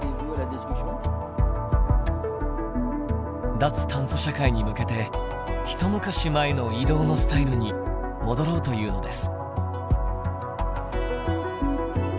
脱炭素社会に向けて一昔前の移動のスタイルに戻ろうというのです。